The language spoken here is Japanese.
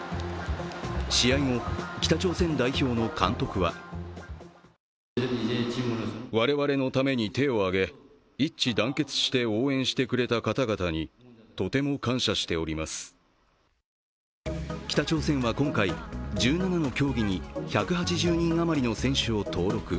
試合後、北朝鮮代表の監督は北朝鮮は今回、１７の競技に１８０人余りの選手を登録。